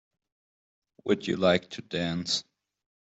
Would you like to dance?